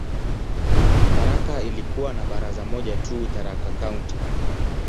Tharaka ilikuwa na baraza moja tu, "Tharaka County".